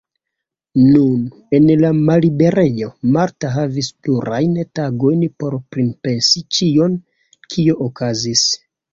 Nun, en la malliberejo, Marta havis plurajn tagojn por pripensi ĉion, kio okazis.